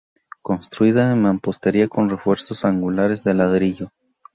Construida en mampostería con refuerzos angulares de ladrillo.